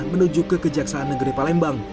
menuju ke kejaksaan negeri palembang